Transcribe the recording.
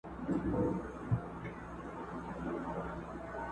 زما د غیرت شمله به کښته ګوري٫